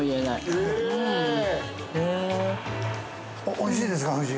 ◆おいしいですか、夫人。